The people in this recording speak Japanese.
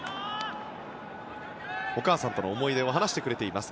お母さんとの思い出を話してくれています。